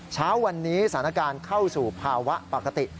เช้าวันนี้สถานการณ์เข้าสู่ภาวะปกติ